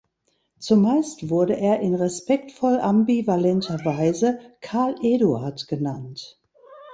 Zumeist wurde er in respektvoll-ambivalenter Weise „Karl-Eduard“ genannt.